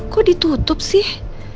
kok ditutup sih